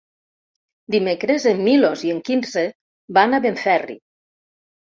Dimecres en Milos i en Quirze van a Benferri.